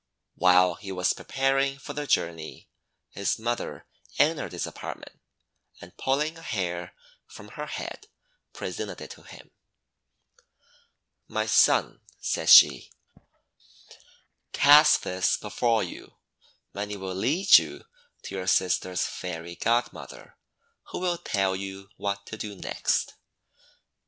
While he was preparing for the journey, his mother entered his apartment, and, pulling a hair from her head, presented it to him. "My son," said she, "cast this before you, and it will lead you to your sister's Fairy Godmother, who will tell you what to do next."